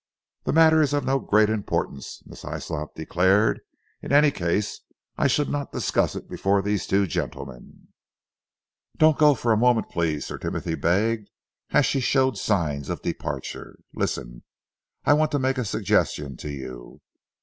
"The matter is of no great importance," Miss Hyslop declared, "in any case I should not discuss it before these two gentlemen." "Don't go for a moment, please," Sir Timothy begged, as she showed signs of departure. "Listen. I want to make a suggestion to you.